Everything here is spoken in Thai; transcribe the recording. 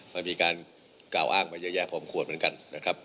มันมีการกล่าวอ้างมาเยอะแยะพอมควรเหมือนกันนะครับ